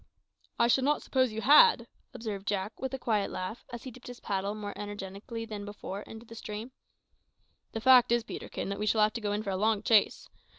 "I should not suppose you had," observed Jack, with a quiet laugh, as he dipped his paddle more energetically than ever into the stream. "The fact is, Peterkin, that we shall have to go in for a long chase.